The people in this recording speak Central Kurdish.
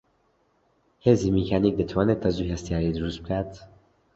هێزی میکانیک دەتوانێت تەزووی هەستیاری دروست بکات